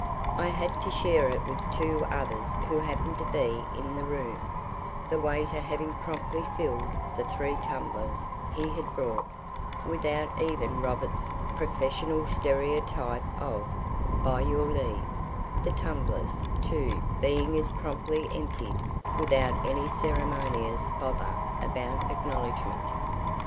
I had to share it with two others who happened to be in the room, the waiter having promptly filled the three tumblers he had brought, without even "Robert's" professional stereotype of "by your leave," the tumblers, too, being as promptly emptied without any ceremonious bother about acknowledgment.